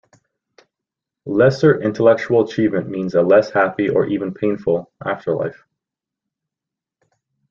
Lesser intellectual achievement means a less happy or even painful afterlife.